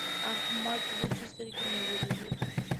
احمد وچې سترګې نيولې دي.